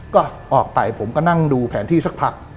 ก็ออกไปผมก็นั่งดูแผนที่สักพัก